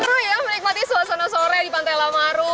seru ya menikmati suasana sore di pantai lamaru